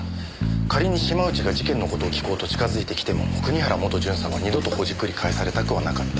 仮に島内が事件の事を聞こうと近づいてきても国原元巡査は二度とほじくり返されたくはなかった。